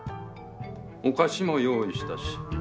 お菓子も用意したし。